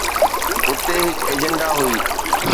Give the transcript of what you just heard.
اتي هڪ ايجنڊا هئي